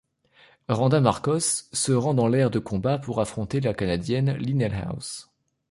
Randa Markos se rend dans l'aire de combat pour affronter la canadienne Lynnell House.